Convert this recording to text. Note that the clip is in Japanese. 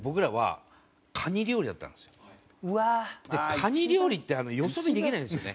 カニ料理ってよそ見できないんですよね。